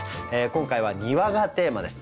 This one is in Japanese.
今回は「庭」がテーマです。